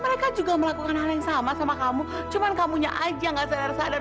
mereka juga melakukan hal yang sama sama kamu cuman kamu nya aja nggak sadar sadar